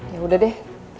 ya udah deh